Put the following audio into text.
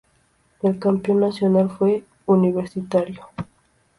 El campeón nacional fue Universitario.